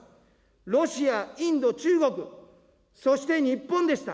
ロシア、インド、中国、そして日本でした。